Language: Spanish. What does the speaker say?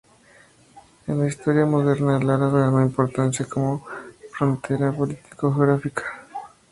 En la historia moderna, el Aras ganó importancia como frontera político-geográfica.